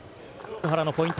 奥原のポイント。